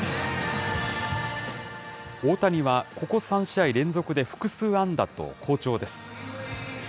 大谷は、ここ３試合連続で複数安打と好調です。